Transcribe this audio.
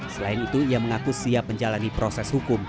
selain itu ia mengaku siap menjalani proses hukum